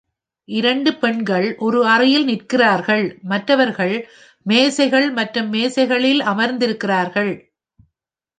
இரண்டு பெண்கள் ஒரு அறையில் நிற்கிறார்கள், மற்றவர்கள் மேசைகள் மற்றும் மேசைகளில் அமர்ந்திருக்கிறார்கள்.